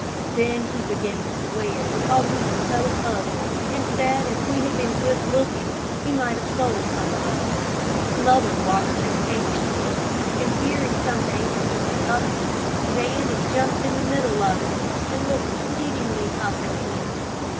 Then he began to swear because we were so ugly, and said if we had been good looking, he might have sold some of us. Mother watched him anxiously, and fearing some danger to her puppies, ran and jumped in the middle of us, and looked pleadingly up at him.